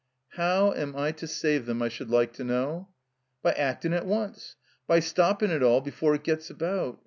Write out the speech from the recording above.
"How am I to save them, I should like to know?" "By actin' at once. By stoppin' it all before it gets about.